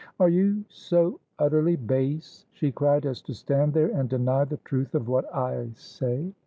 "Are you so utterly base," she cried, "as to stand there and deny the truth of what I say?"